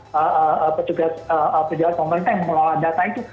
pejabat pemerintah yang mengelola data itu